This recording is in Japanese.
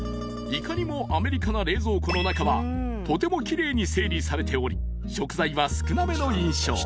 いかにもアメリカな冷蔵庫の中はとても奇麗に整理されており食材は少なめの印象］